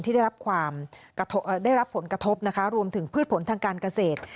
ที่ได้รับผลกระทบนะคะรวมถึงพืชผลทางการเกษตร